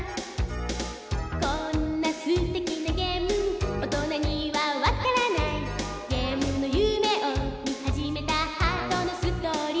「こんなすてきなゲーム大人にはわからない」「ゲームの夢をみはじめたハートのストーリー」